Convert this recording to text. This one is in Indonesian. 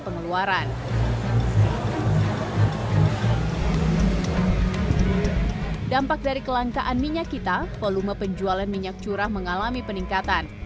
pengeluaran dampak dari kelangkaan minyak kita volume penjualan minyak curah mengalami peningkatan